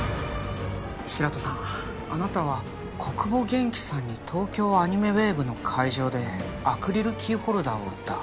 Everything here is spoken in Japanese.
白土さんあなたは小久保元気さんに東京アニメウェーブの会場でアクリルキーホルダーを売った。